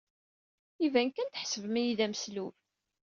Iban kan tḥesbem-iyi d ameslub.